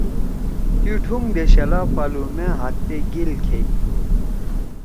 تی ٹھونگ دے شلا پھالُو۔ مأ ہات تے گیل کھئی۔